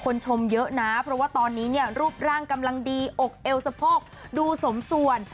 ชมเยอะนะเพราะว่าตอนนี้เนี่ยรูปร่างกำลังดีอกเอวสะโพกดูสมส่วน